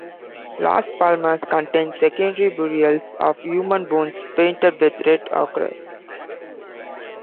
Las Palmas contains secondary burials of human bones painted with red ochre.